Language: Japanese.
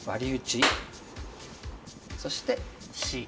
そしてＣ。